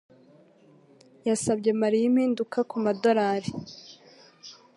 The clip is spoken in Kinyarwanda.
yasabye Mariya impinduka kumadorari.